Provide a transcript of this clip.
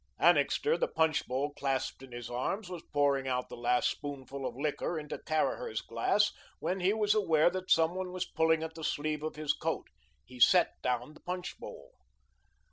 Annixter, the punch bowl clasped in his arms, was pouring out the last spoonful of liquor into Caraher's glass when he was aware that some one was pulling at the sleeve of his coat. He set down the punch bowl.